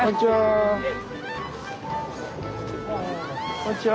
こんにちは。